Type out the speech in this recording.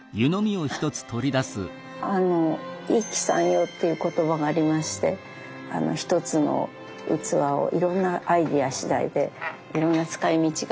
あの一器三様っていう言葉がありましてひとつの器をいろんなアイデア次第でいろんな使い道があるという。